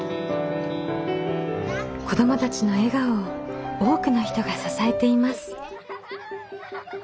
子どもたちの笑顔を多くの人が支えています。